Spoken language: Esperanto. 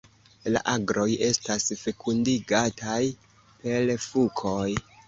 La agroj estas fekundigataj per fukoj.